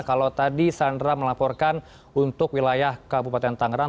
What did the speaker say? kalau tadi sandra melaporkan untuk wilayah kabupaten tangerang